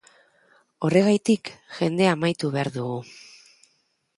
Horregatik, jendea animatu behar dugu.